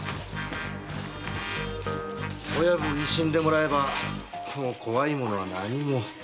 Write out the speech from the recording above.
親分に死んでもらえばもう怖いものは何も。